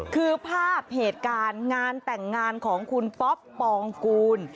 คือภาพเหตุการณ์งานแต่งงานของคุณป๊อปปองกูล